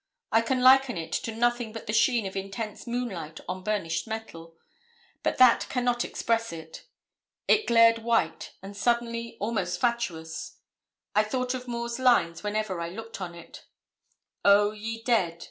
I can liken it to nothing but the sheen of intense moonlight on burnished metal. But that cannot express it. It glared white and suddenly almost fatuous. I thought of Moore's lines whenever I looked on it: Oh, ye dead!